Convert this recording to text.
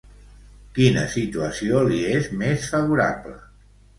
Quina situació li és més favorable?